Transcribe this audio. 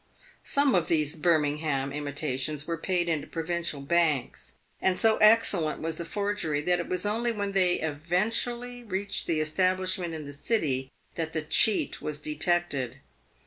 Some of these Birmingham imitations were paid into provincial banks, and so excellent was the forgery, that it was only when they eventually reached the establishment in the City that the cheat was detected.